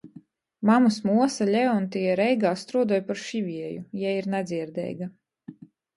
Mamys muosa Leontija Reigā struodoj par šivieju, jei ir nadzierdeiga.